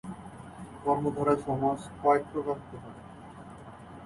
কর্মধারয় সমাস কয়েক প্রকার হতে পারে।